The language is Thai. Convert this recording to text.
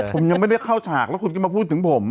ผมยังไม่ได้เข้าฉากแล้วคุณก็มาพูดถึงผม